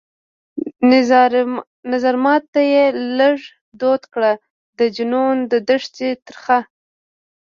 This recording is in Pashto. نظرمات ته يې لږ دود کړى د جنون د دښتي ترخه